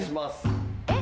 えっ？